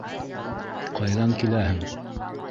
Ҡайҙан киләһең?